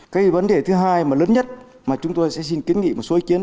cái vấn đề thứ hai mà lớn nhất mà chúng tôi sẽ xin kiến nghị một số ý kiến